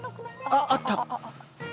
あっあった。